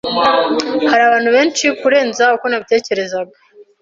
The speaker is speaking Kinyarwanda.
Hariho abantu benshi kurenza uko nabitekerezaga